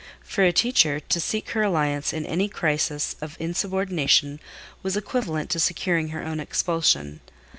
For a teacher to seek her alliance in any crisis of insubordination was equivalent to securing her own expulsion.